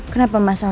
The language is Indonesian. kenapa mas al